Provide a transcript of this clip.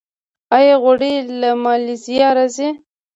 آیا غوړي له مالیزیا راځي؟